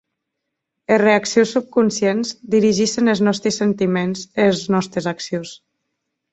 Es reaccions subconscientes dirigissen es nòsti sentiments e es nòstes accions.